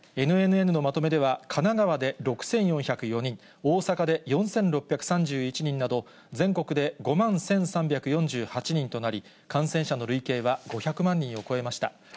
ＮＮＮのまとめでは、神奈川で６４０４人、大阪で４６３１人など、全国で５万１３４８人となり、感染者の累計は５００万人を超えました。